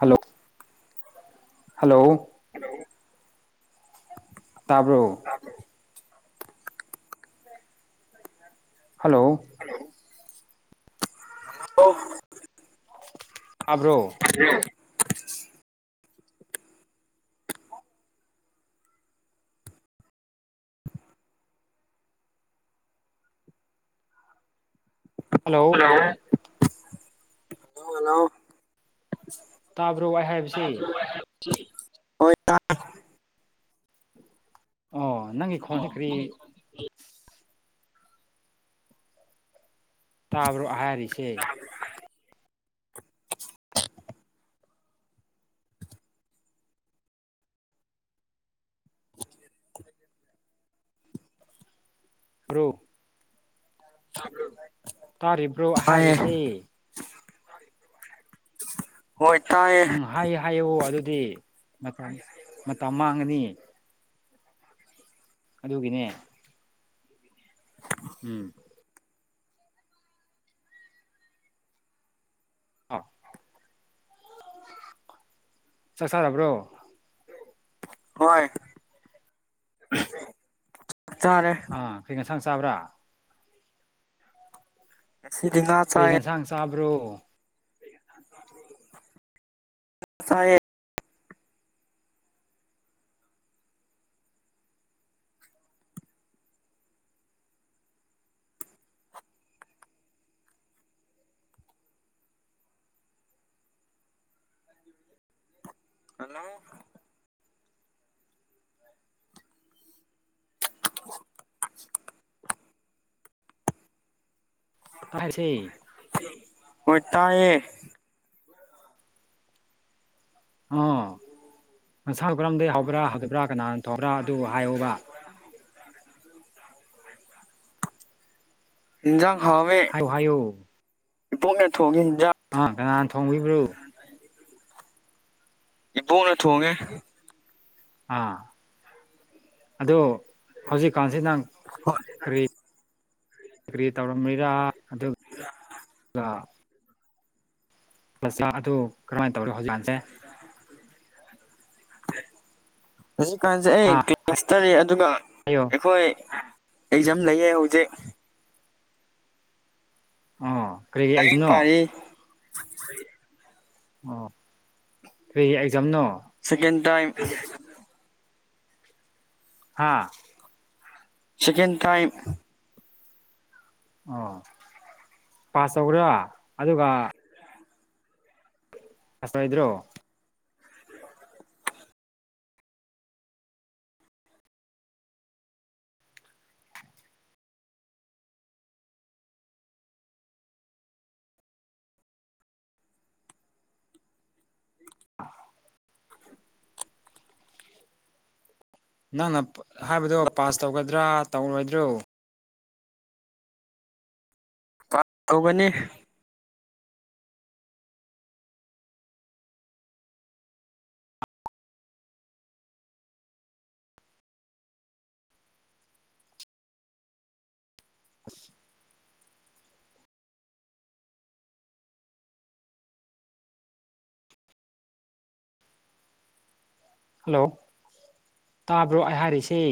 hello hello [inaudible] ꯇꯥꯕ꯭ꯔꯣ hello ꯍꯧ ꯑꯥꯕ꯭ꯔꯣ ꯍꯜꯂꯣ ꯍꯜꯂꯣ ꯇꯥꯕ꯭ꯔꯣ ꯋꯥꯏ ꯍꯥꯏꯕꯁꯦ ꯍꯣꯏ ꯑꯣ ꯅꯪꯒꯤ ꯈꯣꯟꯁꯤ ꯀꯔꯤ ꯇꯥꯕ꯭ꯔꯣ ꯍꯥꯏꯔꯤꯁꯦ ꯭ꯔꯣ ꯊ ꯇꯥꯔꯤꯕ꯭ꯔꯣ ꯍꯥꯏꯔꯤꯁꯦ ꯍꯣꯏ ꯇꯥꯏꯌꯦ ꯎꯝ ꯍꯥꯏꯌꯦ ꯍꯥꯏꯌꯦ ꯑꯣ ꯑꯗꯨꯗꯤ ꯃꯇꯝ ꯃꯇꯝ ꯃꯥꯡꯉꯅꯤ ꯑꯗꯨꯒꯤꯅꯦ ꯎꯝ ꯑꯥ ꯆꯥꯛ ꯆꯥꯔꯕ꯭ꯔꯣ ꯍꯣꯏ ꯆꯥꯛꯇꯥꯔꯦ ꯥꯡ ꯆꯥꯕ꯭ꯔꯥ ꯀꯁꯤ ꯅꯥ ꯆꯦ ꯀ꯭ꯔꯣ ꯥ ꯍꯜꯂꯣ ꯇꯁ ꯑꯣꯏ ꯇꯌꯦ ꯑ ꯅꯁꯥ ꯀꯔꯝꯗꯒꯤꯩ ꯍꯧꯕ꯭ꯔꯥ ꯍꯧꯗꯕ꯭ꯔꯥ ꯀꯅꯥꯅ ꯇꯧꯕ꯭ꯔꯥ ꯑꯗꯨ ꯍꯥꯏꯌꯕ ꯏꯟꯖ ꯍꯥꯏꯌꯣ ꯍꯥꯏꯌꯣ ꯄꯣꯛꯅ ꯊꯒꯦ ꯀꯅꯥꯅ ꯊꯣꯡꯕꯤꯕ꯭ꯔꯣ ꯏꯕꯅ ꯇꯉ ꯑꯥ ꯑ ꯍꯧꯖꯤꯛꯀꯥꯟꯁꯤ ꯅꯪ [unintelligible] ꯀꯔꯤ ꯀꯔꯤ ꯇꯧꯔꯝꯃꯤꯔꯥ ꯑꯗꯨꯒ ꯑꯗꯨ ꯀꯔꯍꯥꯏꯅ ꯇꯧꯔꯤꯣ ꯍꯧꯖꯤꯛꯥꯟꯁꯦ ꯍꯧꯖꯤꯛꯀꯥꯟꯁꯦ ꯑꯩ ꯍꯥ ꯀ꯭ꯂꯥꯁꯇꯔꯤ ꯑꯗꯨꯒ ꯍꯥꯏꯌꯣ ꯑꯩꯈꯣꯏ ꯑꯩꯖ ꯂꯩꯌꯦ ꯍꯧꯖꯤꯛ ꯑ ꯂ ꯄꯔ ꯑꯣ ꯀ ꯑꯦꯛꯖꯥꯝꯅꯣ ꯁꯀꯦꯟ ꯇꯥꯏꯝ ꯍꯥꯥ ꯁꯀꯦꯟ ꯇꯥꯏꯝ ꯑꯣ ꯄꯥꯁ ꯇꯧꯈ꯭ꯔꯥ ꯑꯗꯨꯒ ꯀꯁ ꯍꯥꯏ꯭ꯔꯣ ꯑ ꯅꯪꯅ ꯍꯥꯏꯕꯗꯣ ꯄꯥꯁ ꯇꯧꯒꯗ꯭ꯔꯥ ꯇꯧꯔꯣꯏꯗ꯭ꯔꯣ ꯇꯧꯒꯅꯤ ꯍꯜꯂꯣ ꯇꯥꯕ꯭ꯔꯣ ꯑꯩ ꯍꯥꯏꯔꯤꯁꯤ